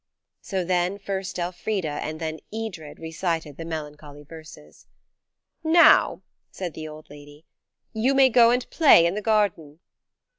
So then first Elfrida and then Edred recited the melancholy verses. "Now," said the old lady, "you may go and play in the garden."